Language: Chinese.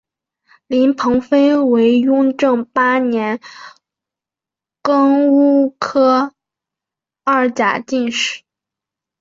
林鹏飞为雍正八年庚戌科二甲进士。